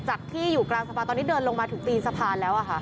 จากที่อยู่กลางสะพานตอนนี้เดินลงมาถึงตีนสะพานแล้ว